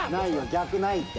逆ないって。